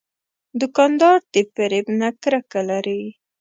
دوکاندار د فریب نه کرکه لري.